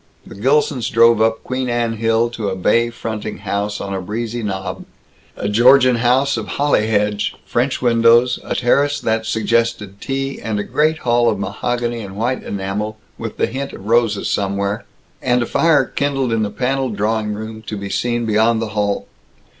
The Gilsons drove up Queen Anne Hill to a bay fronting house on a breezy knob a Georgian house of holly hedge, French windows, a terrace that suggested tea, and a great hall of mahogany and white enamel with the hint of roses somewhere, and a fire kindled in the paneled drawing room to be seen beyond the hall.